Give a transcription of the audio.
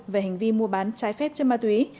về hành vi mua bán trái phép chất ma túy